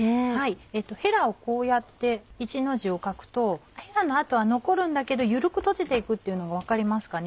ヘラをこうやって１の字を書くとヘラの跡は残るんだけど緩く閉じて行くっていうのが分かりますかね。